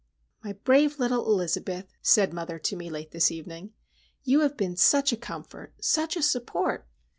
"My brave little Elizabeth," said mother to me late this evening, "you have been such a comfort, such a support!